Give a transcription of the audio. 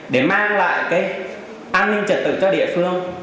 để mang lại cái an ninh trật tự cho địa phương